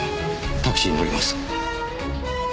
タクシーに乗ります。